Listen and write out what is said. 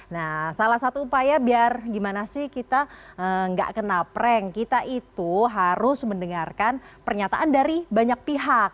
nah salah satu upaya biar gimana sih kita nggak kena prank kita itu harus mendengarkan pernyataan dari banyak pihak